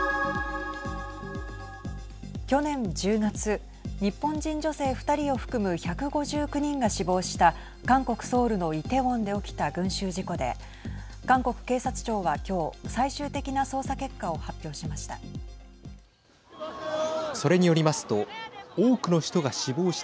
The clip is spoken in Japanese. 去年１０月日本人女性２人を含む１５９人が死亡した韓国ソウルのイテウォンで起きた群集事故で韓国警察庁は今日最終的な捜査結果を発表しました。